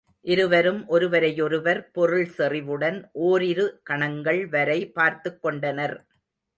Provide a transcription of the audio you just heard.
இருவரும் ஒருவரையொருவர் பொருள்செறிவுடன் ஓரிரு கணங்கள் வரை பார்த்துக் கொண்டனர்.